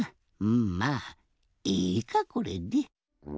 うんまあいいかこれで。